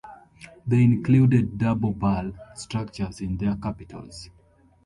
They included double-bull structures in their capitals.